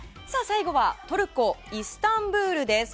最後はトルコ・イスタンブールです。